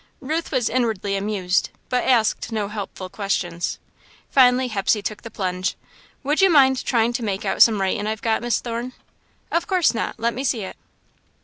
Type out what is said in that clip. Ruth was inwardly amused but asked no helpful questions. Finally, Hepsey took the plunge. "Would you mind tryin' to make out some writin' I've got, Miss Thorne?" "Of course not let me see it."